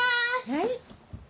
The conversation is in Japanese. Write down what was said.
はい。